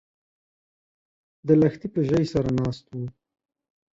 د لښتي په ژۍ سره ناست و